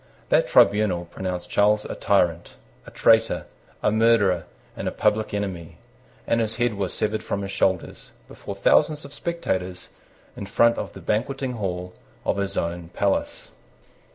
That tribunal pronounced Charles a tyrant, a traitor, a murderer, and a public enemy; and his head was severed from his shoulders, before thousands of spectators, in front of the banqueting hall of his own palace.